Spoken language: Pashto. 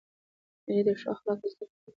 مېلې د ښو اخلاقو زدهکړه هم لري.